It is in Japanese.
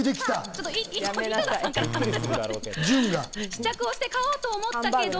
試着をして買おうと思ったけど。